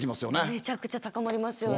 めちゃくちゃ高まりますよね。